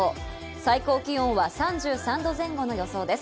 最高気温は３３度前後の予想です。